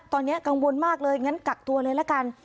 ตอนนี้กังวลมากเลยงั้นกักตัวเลยละกัน